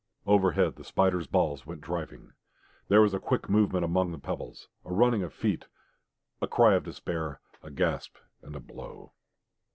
Overhead the spiders' balls went driving. There was a quick movement among the pebbles; a running of feet, a cry of despair, a gasp and a blow....